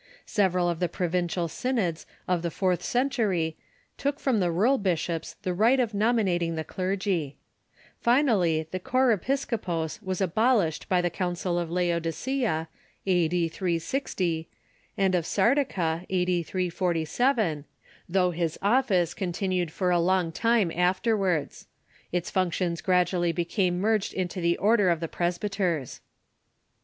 Several of the provincial synods of the fourth cen tury took from the rural bishops the right of nominating the clergy. Finally, the chorepiscopos was abolished by the Coun cil of Laodicea, a.d. 360, and of Sardica, a.d. 347, though his office continued for a long time afterwards. Its functions grad ually became merged into the order of presbyters.